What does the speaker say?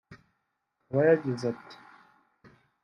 Akaba yagize ati